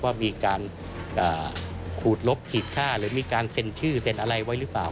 ว่ามีการขูดลบขีดค่าหรือมีการเซ็นชื่อเซ็นอะไรไว้หรือเปล่า